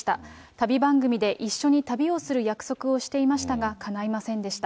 旅番組で一緒に旅をする約束をしていましたが、かないませんでした。